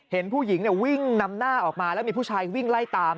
เห็นผู้หญิงวิ่งนำหน้าออกมาแล้วมีผู้ชายวิ่งไล่ตาม